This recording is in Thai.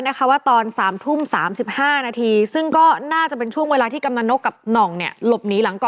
ในรถใส่ต่อไป